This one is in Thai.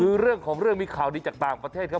คือเรื่องของเรื่องมีข่าวดีจากต่างประเทศครับ